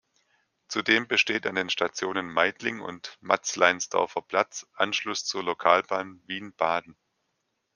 Zudem besteht an den Stationen Meidling und Matzleinsdorfer Platz Anschluss zur Lokalbahn Wien–Baden.